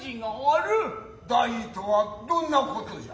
大事とはどんな事じゃ。